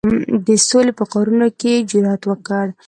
د سولي په کارونو کې یې جرأت وکړ.